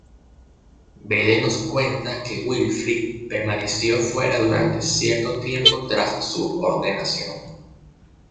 Bede nos cuenta que Wilfrid permaneció fuera durante cierto tiempo tras su ordenación.